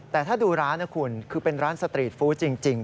แต่ถ้าดูร้านนะคุณคือเป็นร้านสตรีทฟู้ดจริง